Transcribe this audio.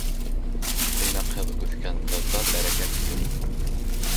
Тыйнаҡһыҙ үҫкән ҡыҙҙа бәрәкәт юҡ.